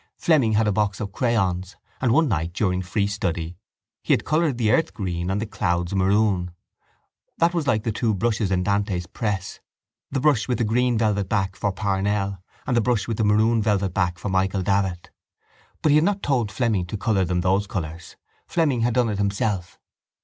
Fleming had a box of crayons and one night during free study he had coloured the earth green and the clouds maroon. That was like the two brushes in Dante's press, the brush with the green velvet back for Parnell and the brush with the maroon velvet back for Michael Davitt. But he had not told Fleming to colour them those colours. Fleming had done it himself.